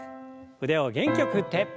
腕を元気よく振って。